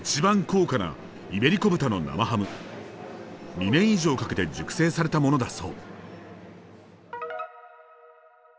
２年以上かけて熟成されたものだそう。